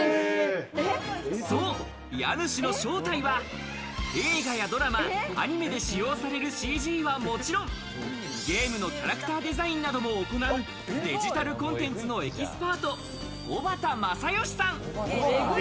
そう、家主の正体は映画やドラマ、アニメで使用されるＣＧはもちろん、ゲームのキャラクターデザインなども行うデジタルコンテンツのエキスパート、おばたまさよしさん。